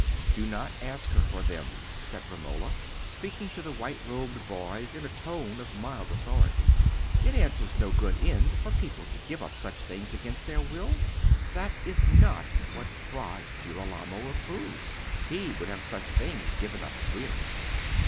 "Do not ask her for them," said Romola, speaking to the white robed boys in a tone of mild authority. "It answers no good end for people to give up such things against their will. That is not what Fra Girolamo approves: he would have such things given up freely."